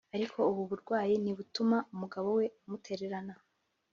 ariko ubu burwayi ntibutuma umugabo we amutererana